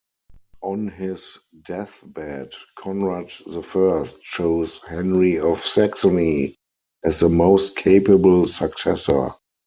On his deathbed Conrad I chose Henry of Saxony as the most capable successor.